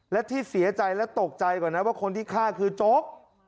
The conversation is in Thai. และที่เสียใจและตกใจก่อนนะว่าคนที่ฆ่าคือโจ๊ก